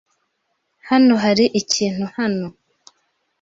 Hano hari ikintu hano.